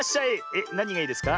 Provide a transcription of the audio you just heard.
えっなにがいいですか？